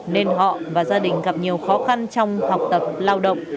nên họ và gia đình gặp nhiều khó khăn trong học tập lao động